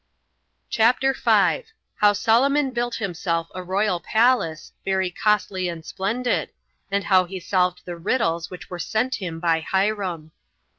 CHAPTER 5. How Solomon Built Himself A Royal Palace, Very Costly And Splendid; And How He Solved The Riddles Which Were Sent Him By Hiram.